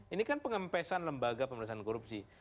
ini kan pengempesan lembaga pemerintahan korupsi